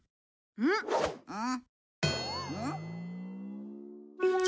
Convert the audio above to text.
うんうん！